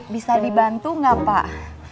bisa dibantu ga pak